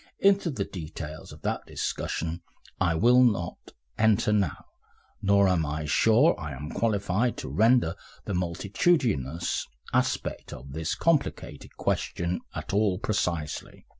Into the details of that discussion I will not enter now, nor am I sure I am qualified to render the multitudinous aspect of this complicated question at all precisely.